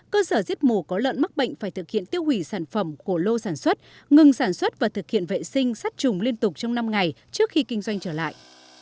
cơ sở giết mổ có lợn mắc bệnh phải thực hiện tiêu hủy sản phẩm của lô sản xuất ngừng sản xuất và thực hiện vệ sinh sát trùng liên tục trong năm ngày trước khi kinh doanh trở lại